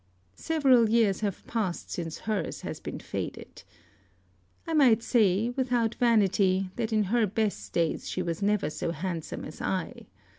Several years have passed since hers has been faded. I might say, without vanity, that in her best days she was never so handsome as I.